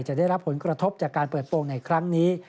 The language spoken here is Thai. จะได้รับผลกระทบจากการเปิดโปรงในครั้งนี้